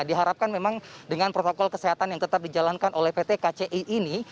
diharapkan memang dengan protokol kesehatan yang tetap dijalankan oleh pt kci ini